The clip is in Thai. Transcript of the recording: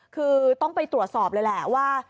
คือต้องไปตรวจสอบเลยแหละว่า